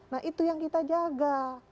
nah itu yang kita jaga